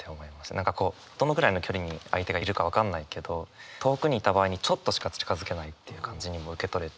何かこうどのくらいの距離に相手がいるか分かんないけど遠くにいた場合にちょっとしか近づけないっていう感じにも受け取れて。